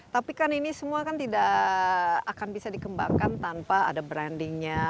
tapi kan ini semua kan tidak akan bisa dikembangkan tanpa ada brandingnya